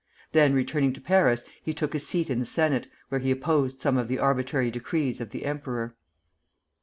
Then, returning to Paris, he took his seat in the Senate, where he opposed some of the arbitrary decrees of the emperor.